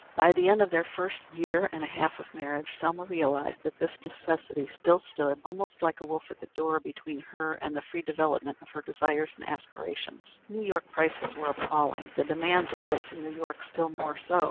By the end of their first year and a half of marriage, Selma realized that this necessity still stood, almost like a wolf at the door, between her and the free development of her desires and aspirations. New York prices were appalling; the demands of life in New York still more so.